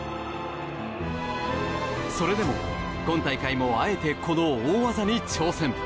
それでも、今大会もあえてこの大技に挑戦。